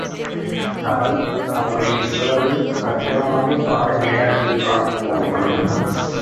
அவன் எப்படி இவ்வளவு அற்புதமாக பார் விளையாடுகிறான்?